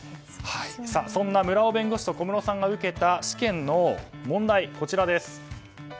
そんな村尾弁護士と小室さんが受けた試験の問題、こちらです。